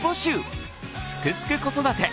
「すくすく子育て」